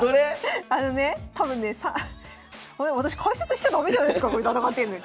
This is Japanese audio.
あのね多分ねあれ私解説しちゃ駄目じゃないすかこれ戦ってんのに。